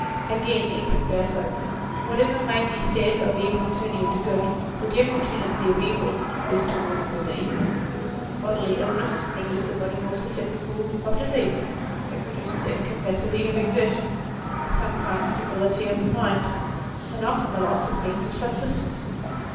Again, e converse, whatever may be said of evil turning into good, the general tendency of evil is towards further evil. Bodily illness renders the body more susceptible of disease ; it produces incapacity of exertion, sometimes debility of mind, and often the loss of means of subsistence.